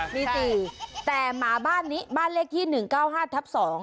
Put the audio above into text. มี๔แต่หมาบ้านนี้บ้านเลขที่๑๙๕ทับ๒